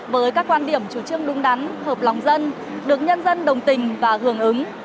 với các quan điểm chủ trương đúng đắn hợp lòng dân được nhân dân đồng tình và hưởng ứng